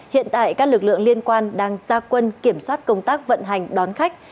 hiện tại các lực lượng liên quan đang ra quân kiểm soát công tác vận hành đón khách